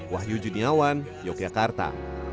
wahyu juniawan yogyakarta